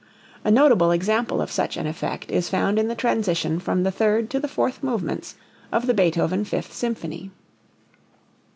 A notable example of such an effect is found in the transition from the third to the fourth movements of the Beethoven Fifth Symphony.